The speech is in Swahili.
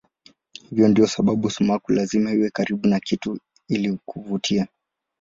Hii ndiyo sababu sumaku lazima iwe karibu na kitu ili kuvutia.